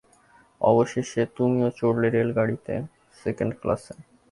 অবশেষে তুমি চড়লে রেলগাড়িতে সেকেণ্ড ক্লাসে।